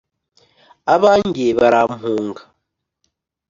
abanjye barampunga